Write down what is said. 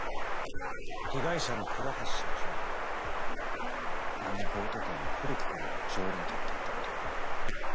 被害者の倉橋社長があのボート店の古くからの常連客だったことを。